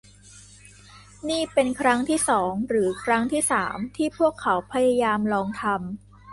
นี่เป็นครั้งที่สอง หรือครั้งที่สามที่พวกเขาพยายามลองทำ